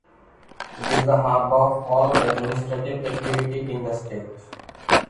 It is the hub of all administrative activity in the state.